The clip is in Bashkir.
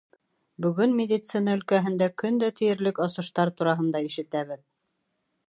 Бөгөн медицина өлкәһендә көн дә тиерлек асыштар тураһында ишетәбеҙ.